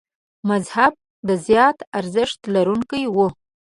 مذهب د زیات ارزښت لرونکي و.